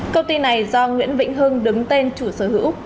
công ty này do nguyễn vĩnh hưng đứng tên chủ sở hữu